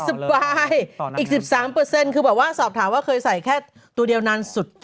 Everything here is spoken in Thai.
สบายอีก๑๓คือแบบว่าสอบถามว่าเคยใส่แค่ตัวเดียวนานสุด